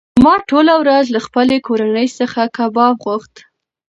ما ټوله ورځ له خپلې کورنۍ څخه کباب غوښت.